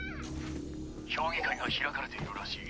評議会が開かれているらしい。